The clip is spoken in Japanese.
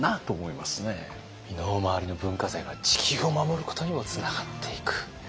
身の回りの文化財が地球を守ることにもつながっていく。